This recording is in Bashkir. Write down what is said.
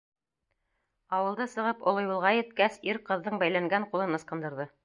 Ауылды сығып, оло юлға еткәс, ир ҡыҙҙың бәйләнгән ҡулын ысҡындырҙы.